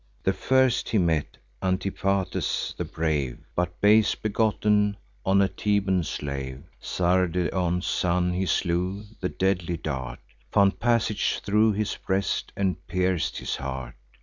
The first he met, Antiphates the brave, But base begotten on a Theban slave, Sarpedon's son, he slew: the deadly dart Found passage thro' his breast, and pierc'd his heart.